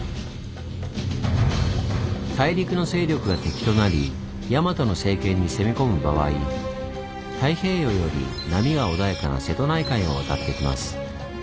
大陸の勢力が敵となり大和の政権に攻め込む場合太平洋より波が穏やかな瀬戸内海を渡ってきます。